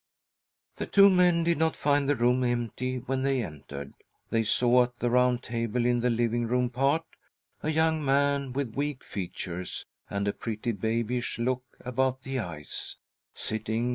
. The two men did not find the room empty when they entered. They saw, at the round table in the living room part, a young man with weak features and^ a pretty babyish look about the eyes, sitting m